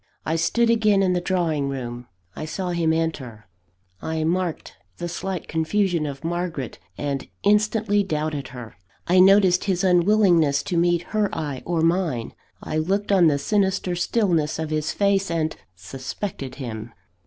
I stood again in the drawing room; I saw him enter; I marked the slight confusion of Margaret; and instantly doubted her. I noticed his unwillingness to meet her eye or mine; I looked on the sinister stillness of his face; and suspected him.